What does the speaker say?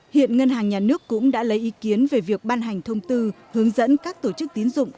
hiện ngân hàng nhà nước cũng đã lấy ý kiến về việc ban hành thông tư hướng dẫn các tổ chức tín dụng